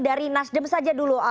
dari nasdem saja dulu